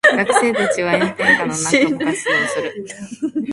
学生たちは炎天下の中部活動をする。